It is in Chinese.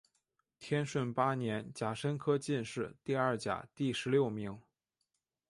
天顺八年甲申科进士第二甲第十六名。